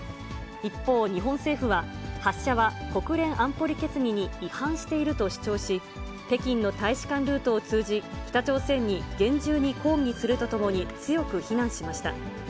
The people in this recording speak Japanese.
一方、日本政府は、発射は国連安保理決議に違反していると主張し、北京の大使館ルートを通じ、北朝鮮に厳重に抗議するとともに、強く非難しました。